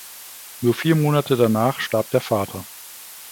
Nur vier Monate danach starb der Vater.